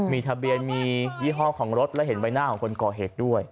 มีทะเบียนมียี่ห้อของรถและเห็นใบหน้าของคนก่อเหตุด้วย